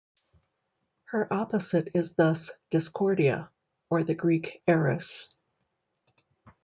Her opposite is thus Discordia, or the Greek Eris.